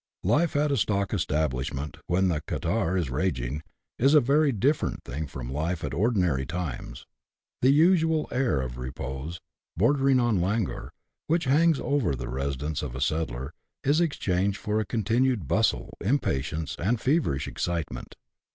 Life at a stock establishment, when the catarrh is raging, is a very different thing from life at ordinary times. The usual air of repose, bordering on languor, which hangs over the residence of a settler, is exchanged for a continued bustle, impatience, and feverish excitement.